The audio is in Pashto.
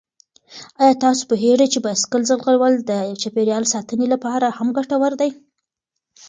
آیا تاسو پوهېږئ چې بايسکل ځغلول د چاپېریال ساتنې لپاره هم ګټور دي؟